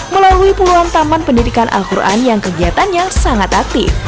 melalui puluhan taman pendidikan al quran yang kegiatannya sangat aktif